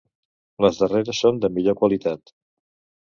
Les darreres són de millor qualitat.